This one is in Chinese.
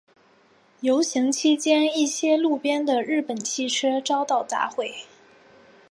游行期间一些路边的日本汽车遭到砸毁。